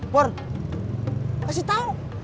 pur pasti tau